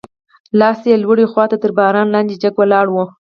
لاستي یې لوړې خواته تر باران لاندې جګ ولاړ و.